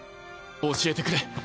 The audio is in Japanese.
教えてくれ。